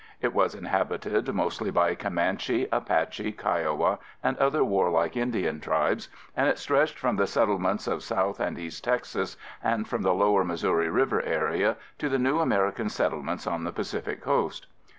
It was inhabited mostly by Comanche, Apache, Kiowa and other warlike Indian tribes, and it stretched from the settlements of South and East Texas, and from the lower Missouri River area to the new American settlements on the Pacific Coast.